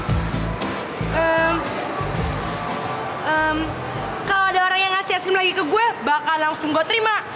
kalau ada orang yang ngasih es krim lagi ke gue bakal langsung gue terima